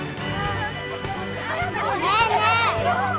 ねえねえ。